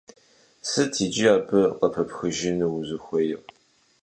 Сыт иджы абы къыпыпхыжыну узыхуейр?